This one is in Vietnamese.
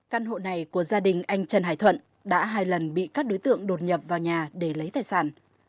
căn hộ này của gia đình anh trần hải thuận đã hai lần bị các đối tượng đột nhập vào nhà để lấy tài sản